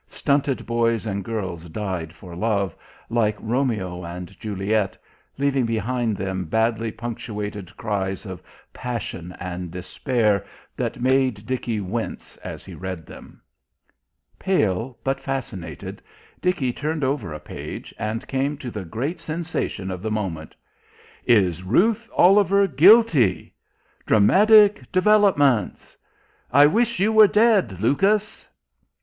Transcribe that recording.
Stunted boys and girls died for love, like Romeo and Juliet, leaving behind them badly punctuated cries of passion and despair that made Dickie wince as he read them.... Pale but fascinated, Dickie turned over a page, and came to the great sensation of the moment. "Is Ruth Oliver Guilty?" "Dramatic Developments." "I Wish You Were Dead, Lucas!"